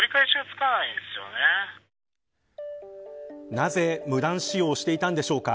なぜ無断使用していたのでしょうか。